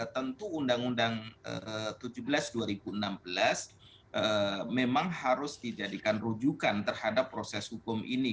tentu undang undang tujuh belas dua ribu enam belas memang harus dijadikan rujukan terhadap proses hukum ini